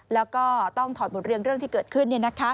แล้วก็ต้องถอดบทเรียนเรื่องที่เกิดขึ้น